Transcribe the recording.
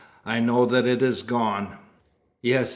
I know that it is gone!" "Yes!